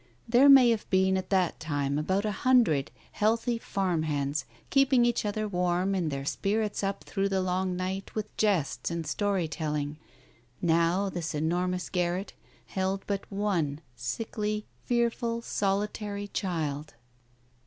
There may have been at that time about a hundred healthy farm hands keeping each other warm and their spirits up through the long night with jests and story telling; now this enormous garret held but one sickly, fearful, solitary child.